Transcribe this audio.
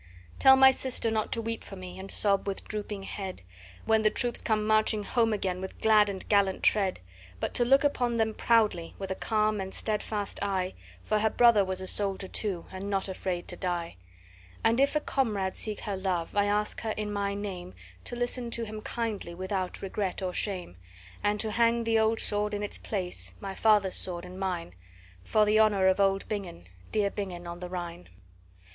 "Tell my sister not to weep for me, and sob with drooping head, When the troops come marching home again with glad and gallant tread, But to look upon them proudly, with a calm and steadfast eye, For her brother was a soldier too, and not afraid to die; And if a comrade seek her love, I ask her in my name To listen to him kindly, without regret or shame, And to hang the old sword in its place (my father's sword and mine) For the honor of old Bingen, dear Bingen on the Rhine.